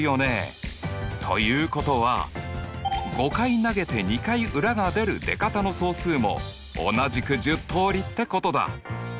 ということは５回投げて２回裏が出る出方の総数も同じく１０通りってことだ。